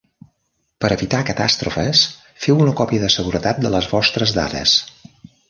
Per evitar catàstrofes, feu una còpia de seguretat de les vostres dades.